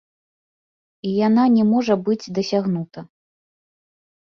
І яна не можа быць дасягнута.